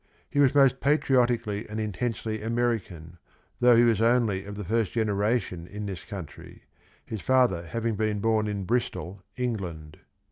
He was most patriotic ally and intensely American, though he was only of the first generation in this country, his father having been born in Bristol, England.